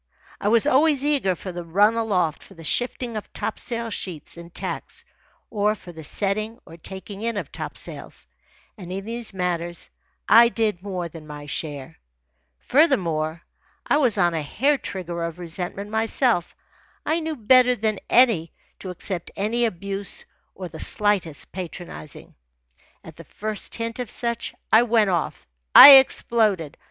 I was always eager for the run aloft for the shifting of topsail sheets and tacks, or for the setting or taking in of topsails; and in these matters I did more than my share. Furthermore, I was on a hair trigger of resentment myself. I knew better than to accept any abuse or the slightest patronizing. At the first hint of such, I went off I exploded.